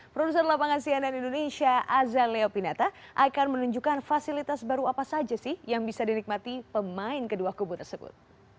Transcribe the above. produser lapangan cnn indonesia azaleo pinata akan menunjukkan fasilitas baru apa saja sih yang bisa dinikmati pemain kedua kubu tersebut